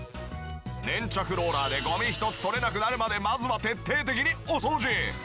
粘着ローラーでゴミ１つ取れなくなるまでまずは徹底的にお掃除！